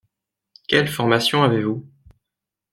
Quelle formation avez-vous ?